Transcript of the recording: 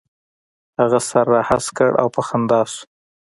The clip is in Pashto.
هغه سر را هسک کړ او په خندا شو.